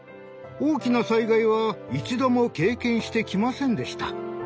大きな災害は一度も経験してきませんでした。